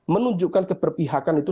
menunjukkan keberpihakan itu